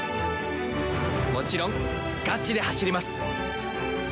もちろんガチで走ります。